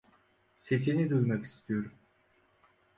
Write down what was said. Sesini duymak istiyorum.